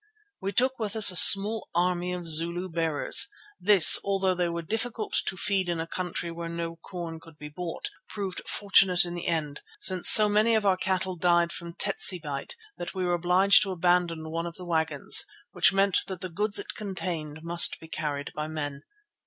We took with us a small army of Zulu bearers. This, although they were difficult to feed in a country where no corn could be bought, proved fortunate in the end, since so many of our cattle died from tsetse bite that we were obliged to abandon one of the wagons, which meant that the goods it contained must be carried by men.